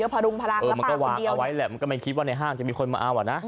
พรุงพลังมันก็วางเอาไว้แหละมันก็ไม่คิดว่าในห้างจะมีคนมาเอาอ่ะนะ